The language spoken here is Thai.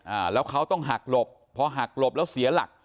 อ่าแล้วเขาต้องหักหลบพอหักหลบแล้วเสียหลัก